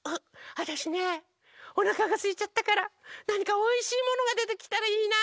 わたしねおなかがすいちゃったからなにかおいしいものがでてきたらいいな。